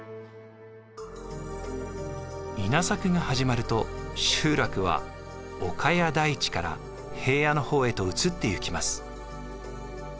稲作が始まると集落は丘や大地から平野の方へと移っていきます。